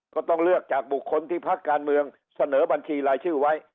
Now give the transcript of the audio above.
ก็ต้องเลือกจากบุคคลที่พักการเมืองเสนอบัญชีรายชื่อไว้